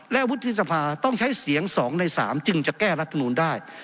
และวุฒิสภาต้องใช้เสียง๒ใน๓จึงจะแก้รัฐมนูลได้